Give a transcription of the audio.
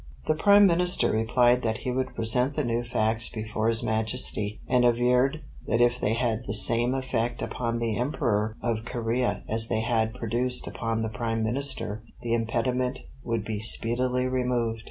The Prime Minister replied that he would present the new facts before His Majesty, and averred that if they had the same effect upon the Emperor of Corea as they had produced upon the Prime Minister the impediment would be speedily removed.